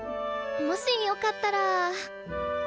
もしよかったら。